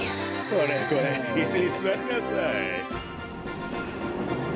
これこれいすにすわりなさい。